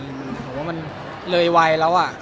เรื่อยไวล์แล้ว